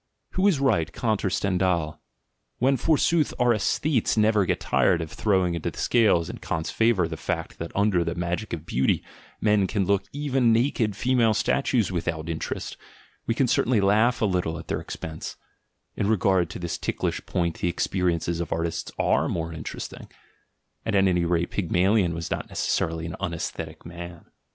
Who is right, Kant or Stendhal? When, forsooth, our aesthetes never get tired of throwing into the scales in Kant's favour the fact that under the magic of beauty men can look at even naked female statues "without interest," w T e can certainly laugh a little at their expense: — in regard to this ticklish point the experiences of artists are more 104 THE GENEALOGY OF MORALS ''interesting," and at any rate Pygmalion was not neces sarily an "unaesthetic man."